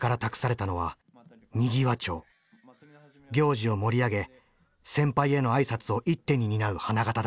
行事を盛り上げ先輩への挨拶を一手に担う花形だ。